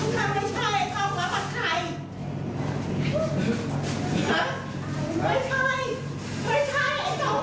มันทำหวานกูทำไมมันใช่มั้ย